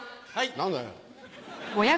何だよ。